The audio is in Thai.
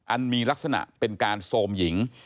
มีลักษณะเป็นการโทรมหญิง